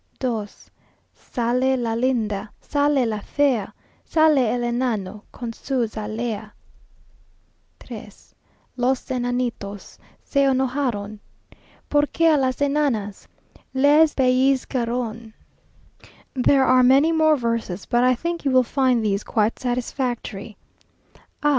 2. Sale la linda, Sale la fea, Sale el enano, Con su zalea. 3. Los enanitos Se enojaron, Porque a las enanas Les pellizcaron. There are many more verses, but I think you will find these quite satisfactory, "Ah!